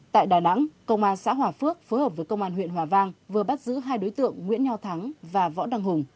tại đà nẵng công an xã hòa phước phối hợp với công an huyện hòa vang vừa bắt giữ hai đối tượng nguyễn nho thắng và võ đăng hùng